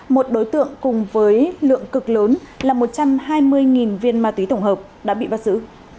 một đối tượng cùng với lượng cực lớn là một trăm hai mươi viên ma túy tổng hợp đã bị bắt giữ